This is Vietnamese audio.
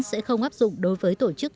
sẽ không áp dụng đối với tổ chức